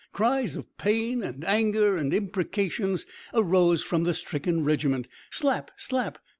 Cries of pain and anger, and imprecations arose from the stricken regiment. "Slap! Slap!"